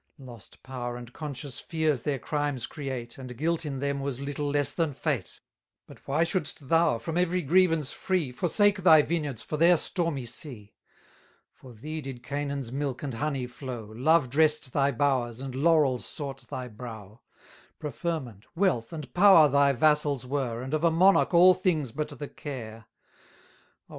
Lost power and conscious fears their crimes create, And guilt in them was little less than fate; But why shouldst thou, from every grievance free, Forsake thy vineyards for their stormy sea? For thee did Canaan's milk and honey flow, Love dress'd thy bowers, and laurels sought thy brow; 880 Preferment, wealth, and power thy vassals were, And of a monarch all things but the care. Oh!